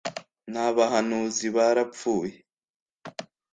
n’abahanuzi barapfuye